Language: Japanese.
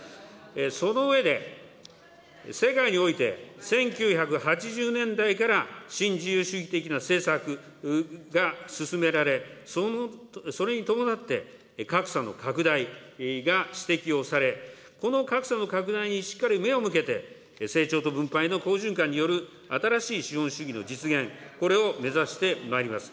その上で、世界において、１９８０年代から新自由主義的な政策が進められ、それに伴って格差の拡大が指摘をされ、この格差の拡大にしっかり目を向けて、成長と分配の好循環による新しい資本主義の実現、これを目指してまいります。